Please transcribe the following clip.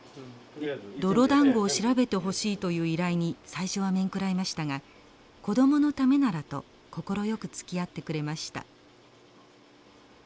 泥だんごを調べてほしいという依頼に最初はめんくらいましたが子供のためならと快くつきあってくれました。